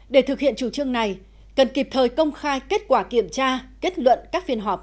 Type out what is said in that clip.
để thực hiện chủ trương này cần kịp thời công khai kết quả kiểm tra kết luận các phiên họp